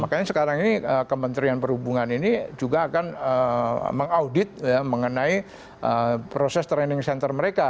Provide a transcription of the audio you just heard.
makanya sekarang ini kementerian perhubungan ini juga akan mengaudit mengenai proses training center mereka